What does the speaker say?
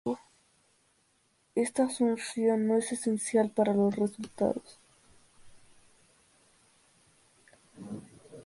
Sin embargo, esta asunción no es esencial para los resultados.